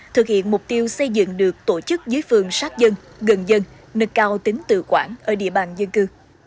thực hiện mục tiêu xây dựng được tổ chức dưới phường sát dân gần dân nâng cao tính tự quản ở địa bàn dân cư